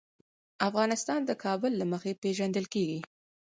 افغانستان د کابل له مخې پېژندل کېږي.